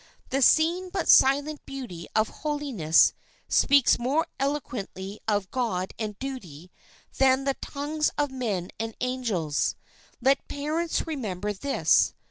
The seen but silent beauty of holiness speaks more eloquently of God and duty than the tongues of men and angels. Let parents remember this.